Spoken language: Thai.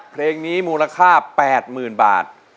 เพลงนี้มูลค่า๘๐๐๐บาท